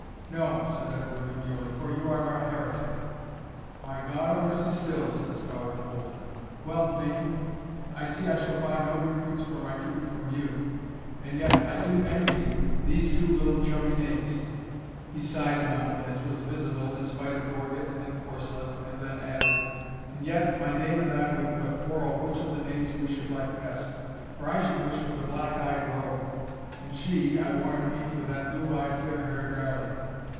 "No," said Edward, demurely, "for you are a heretic." "Why, God a mercy still!" said Stawarth Bolton. "Well, dame, I see I shall find no recruits for my troop from you; and yet I do envy you these two little chubby knaves." He sighed a moment, as was visible, in spite of gorget and corslet, and then added, "And yet, my dame and I would but quarrel which of the knaves we should like best; for I should wish for the black eyed rogue and she, I warrant me, for that blue eyed, fair haired darling.